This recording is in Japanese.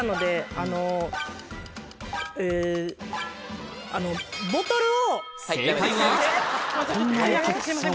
あのボトルを。